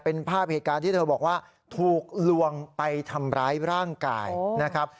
เป็นภาพเหตุการณ์ที่เธอบอกว่าถูกลวงไปทำร้ายร่างกายนะครับ